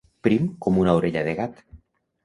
Prim com una orella de gat.